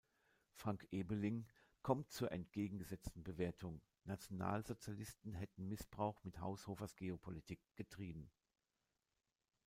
Frank Ebeling kommt zur entgegengesetzten Bewertung: Nationalsozialisten hätten Missbrauch mit Haushofers Geopolitik getrieben.